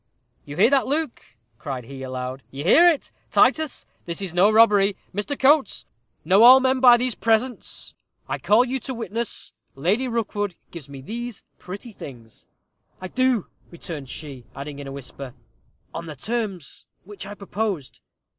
"You hear that, Luke," cried he, aloud; "you hear it, Titus; this is no robbery. Mr. Coates 'Know all men by these presents' I call you to witness, Lady Rookwood gives me these pretty things." "I do," returned she; adding, in a whisper, "on the terms which I proposed."